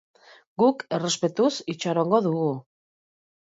Guk, errespetuz, itxarongo dugu.